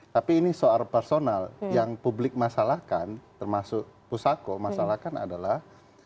tapi ini soal personal yang publik masalahkan termasuk pusako masalahkan adalah